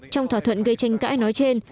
trong thỏa thuận gây tranh cãi nói trên